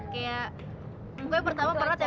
kayak pokoknya pertama berat ya